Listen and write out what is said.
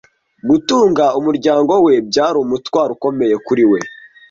Gutunga umuryango we byari umutwaro ukomeye kuri we .